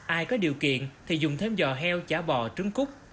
ai có điều kiện thì dùng thêm giò heo chả bò trứng cút